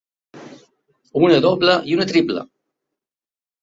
Una doble i una triple.